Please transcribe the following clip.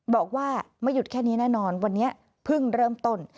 บอกว่าไม่หยุดแค่นี้แน่นอนวันนี้เพิ่งเริ่มต้น